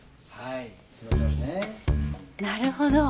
なるほど。